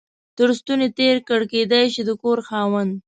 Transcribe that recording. تر ستوني تېر کړ، کېدای شي د کور خاوند.